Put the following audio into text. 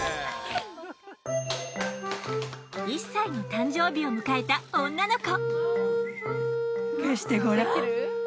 １歳の誕生日を迎えた女の子。